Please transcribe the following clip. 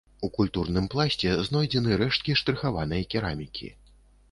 У культурным пласце знойдзены рэшткі штрыхаванай керамікі.